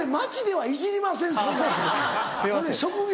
はい。